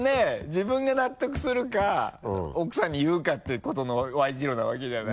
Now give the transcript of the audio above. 自分が納得するか奥さんに言うかってことのＹ字路なわけじゃない。